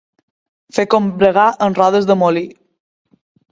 Fer combregar amb rodes de molí.